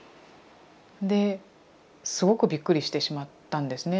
ですごくびっくりしてしまったんですね。